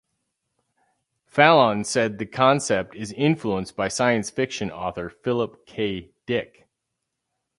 Fallon said the concept is influenced by science fiction author Philip K. Dick.